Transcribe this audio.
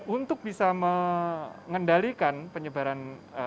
untuk bisa mengendalikan penyebaran